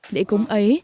lễ cúng ấy